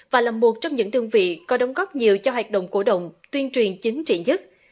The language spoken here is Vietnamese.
và là một trong những đơn vị có đóng góp nhiều cho hoạt động cổ động tuyên truyền chính trị nhất